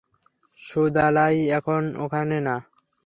সুদালাই এখনো ওখানে না?